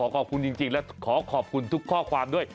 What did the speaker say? ขอบคุณจริงและขอขอบคุณทุกข้อความด้วย